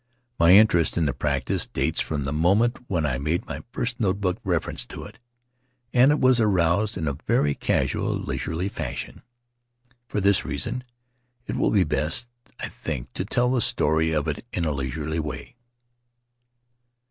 My interest in the practice dates from the moment when I made my first notebook reference to it, and it was aroused in a very casual, leisurely fashion. For this reason it will be best, I think, to tell the story of it in a leisurely way.